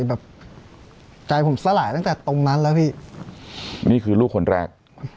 แบบใจผมสลายตั้งแต่ตรงนั้นแล้วพี่นี่คือลูกคนแรก